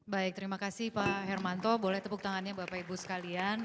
baik terima kasih pak hermanto boleh tepuk tangannya bapak ibu sekalian